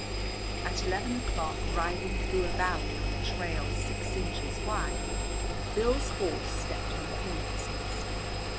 At eleven o'clock, riding through a valley on a trail six inches wide, Bill's horse stepped on a hornets' nest.